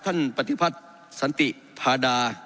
ท่านปฏิพัฒน์สันติพาดา